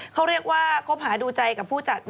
เขาเรียกว่าคบหาดูใจกับผู้จัด